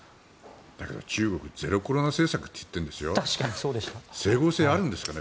だけど中国ゼロコロナ政策って言ってるんですよ。